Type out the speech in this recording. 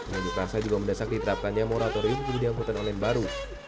menunjukkan saya juga mendesak diterapkannya moratorium kemudian angkutan online baru